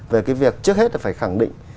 về cái việc trước hết là phải khẳng định